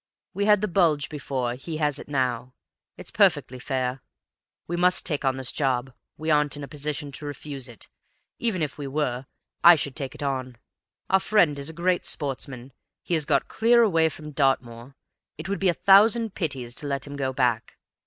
We had the bulge before; he has it now; it's perfectly fair. We must take on this job; we aren't in a position to refuse it; even if we were, I should take it on! Our friend is a great sportsman; he has got clear away from Dartmoor; it would be a thousand pities to let him go back.